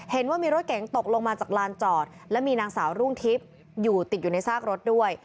เห็นว่ามีรถเก๋งตกลงมาจากลานจอดและมีนางสาวรุ่งทิพย์อยู่ติดอยู่ในซากรถด้วย